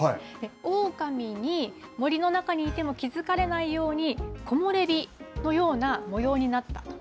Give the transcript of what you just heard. オオカミに森の中にいても気付かれないように、木漏れ日のような模様になったと。